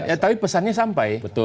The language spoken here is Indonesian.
ya tapi pesannya sampai